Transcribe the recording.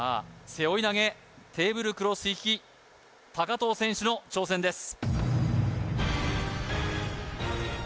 背負い投げテーブルクロス引き藤選手の挑戦です